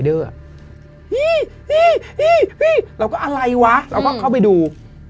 นี่เราก็อะไรวะเราก็เข้าไปดู